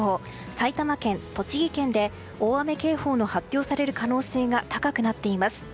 埼玉県、栃木県で大雨警報が発表される可能性が高くなっています。